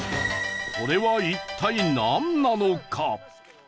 これは一体なんなのか？